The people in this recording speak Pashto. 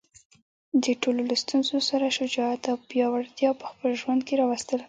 د ټولو له ستونزو سره شجاعت او پیاوړتیا په خپل ژوند کې راوستل.